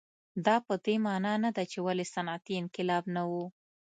دا په دې معنا نه ده چې ولې صنعتي انقلاب نه و.